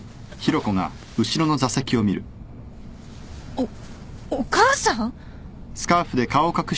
おお母さん！？